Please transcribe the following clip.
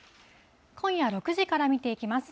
今夜６時から見ていきます。